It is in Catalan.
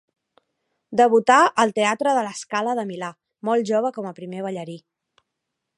Debutà al teatre de La Scala de Milà, molt jove com a primer ballarí.